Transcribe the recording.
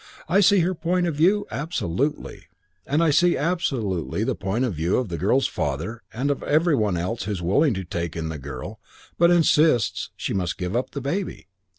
I see her point of view absolutely. And I see absolutely the point of view of the girl's father and of every one else who's willing to take in the girl but insists she must give up the baby.